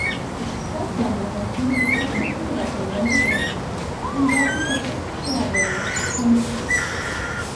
Cast members included the subsequent director Lindsay Anderson and Broughton's artistic collaborator Kermit Sheets.